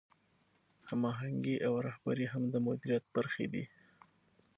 هماهنګي او رهبري هم د مدیریت برخې دي.